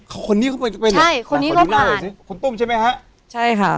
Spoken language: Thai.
เขาคนนี้เขาไปใช่คนนี้เขาก็ผ่านคุณตุ้มใช่ไหมฮะใช่ค่ะ